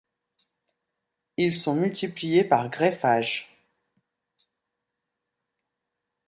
Ils sont multipliés par greffage.